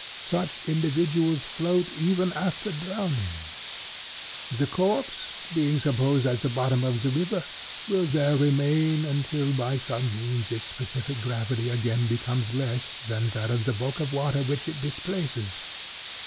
Such individuals float even after drowning. "The corpse, being supposed at the bottom of the river, will there remain until, by some means, its specific gravity again becomes less than that of the bulk of water which it displaces.